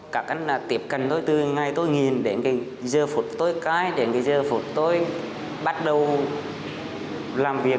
các anh tiếp cận tôi từ ngày tôi nghỉ đến giờ phút tôi cái đến giờ phút tôi bắt đầu làm việc